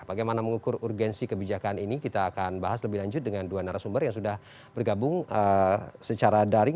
bagaimana mengukur urgensi kebijakan ini kita akan bahas lebih lanjut dengan dua narasumber yang sudah bergabung secara daring